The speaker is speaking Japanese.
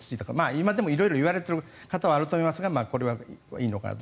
今でも色々言われている方はいると思いますがこれはいいのかなと。